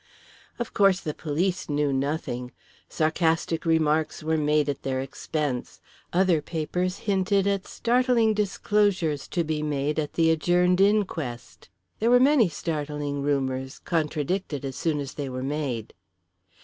Of course the police knew nothing. Sarcastic remarks were made at their expense. Other papers hinted at startling disclosures to be made at the adjourned inquest. There were many startling rumours contradicted as soon as they were made.